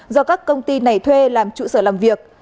do các công ty này thuê làm trụ sở làm việc